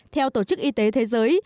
theo tổ chức y tế thế giới